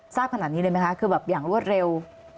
ทราบขนาดนี้เลยไหมคะคือแบบอย่างรวดเร็ว